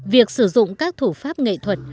việc sử dụng các thủ pháp nghệ thuật